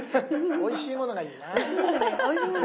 おいしいものがいいな。